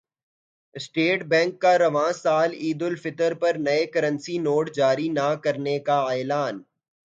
state Bank کا رواں سال عیدالفطر پر نئے کرنسی نوٹ جاری نہ کرنے کا اعلان